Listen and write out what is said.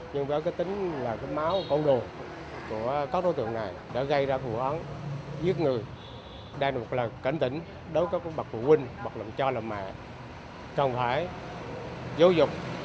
nhưng với tính máu con đồ của các đối tượng này